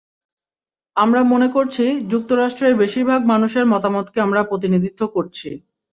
আমরা মনে করছি, যুক্তরাষ্ট্রের বেশির ভাগ মানুষের মতামতকে আমরা প্রতিনিধিত্ব করছি।